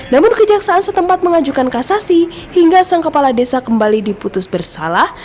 namun kejaksaan setempat mengajukan kasasi hingga sang kepala desa kembali diputus bersalah